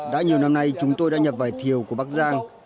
đã nhiều năm nay chúng tôi đã nhập vải thiều của bắc giang